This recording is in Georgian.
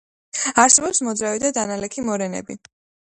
არსებობს მოძრავი და დანალექი მორენები.